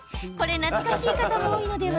懐かしい方も多いのでは？